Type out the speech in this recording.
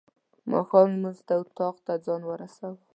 ماښام لمونځ ته اطاق ته ځان ورساوه.